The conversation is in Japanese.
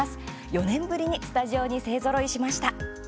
４年ぶりにスタジオに勢ぞろいしています。